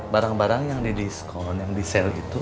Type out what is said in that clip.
barang barang yang didiskon yang disale itu